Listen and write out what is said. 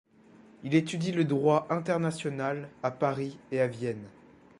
Il étudie le droit international à Paris et à Vienne.